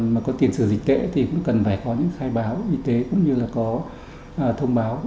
mà có tiền sử dịch tệ thì cũng cần phải có những khai báo y tế cũng như là có thông báo